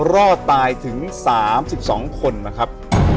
รอดตายถึง๓๒คนนะครับ